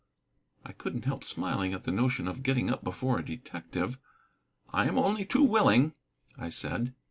I couldn't help smiling at the notion of getting up before a detective. "I am only too willing," I said.